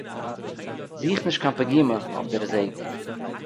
זוך ניט קיין פּגימה אויף דער זעג.